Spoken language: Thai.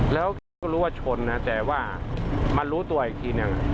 แล้วแกก็รู้ว่าชนนะแต่ว่ามารู้ตัวอีกทีหนึ่ง